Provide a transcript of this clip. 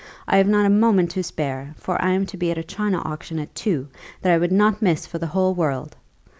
I have not a moment to spare; for I am to be at a china auction at two, that I would not miss for the whole world.